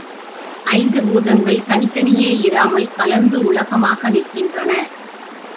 ஐந்து பூதங்கள் தனித்தனியே இராமல், கலந்து உலகமாக நிற்கின்றன.